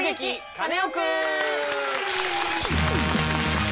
カネオくん」！